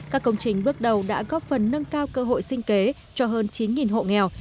các công trình bước đầu đã góp phần nâng cao cơ hội sinh kế cho hơn chín hộ nghèo